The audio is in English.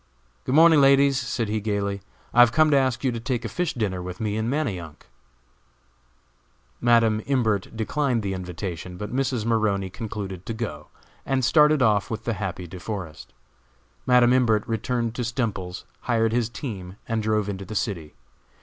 "Good morning, ladies," said he gaily, "I have come to ask you to take a fish dinner with me at Manayunk." Madam Imbert declined the invitation, but Mrs. Maroney concluded to go, and started off with the happy De Forest. Madam Imbert returned to Stemples's, hired his team, and drove into the city.